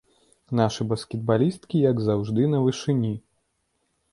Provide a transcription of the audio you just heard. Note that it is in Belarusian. Нашы баскетбалісткі, як заўжды, на вышыні.